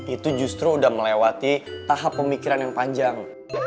itu justru udah melewati tahap pemikiran yang panjang